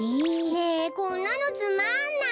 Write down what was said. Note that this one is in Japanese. ねえこんなのつまんない。